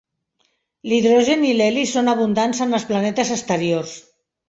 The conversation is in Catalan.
L'hidrogen i l'heli són abundants en els planetes exteriors.